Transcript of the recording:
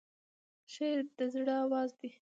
شعر د زړه آواز دی.